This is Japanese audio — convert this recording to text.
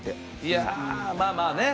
いやまあまあね。